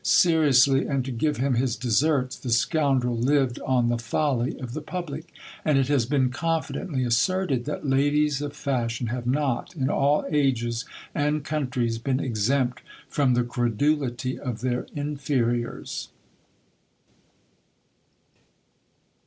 Seriously, and to give him his deserts, the scoundrel lived on the folly of the public; and it has been confidently asserted, that ladies of fashion have not in all ages and countries been exempt from the credulity of their inferiors.